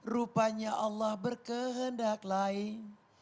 rupanya allah berkehendak lain